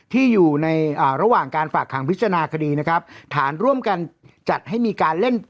ที่อยู่ในระหว่างการฝากขังพิจารณาคดีนะครับฐานร่วมกันจัดให้มีการเล่น